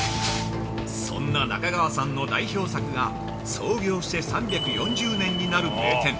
◆そんな中川さんの代表作が創業して３４０年になる名店